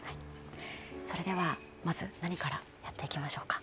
それではまず何からやっていきましょうか。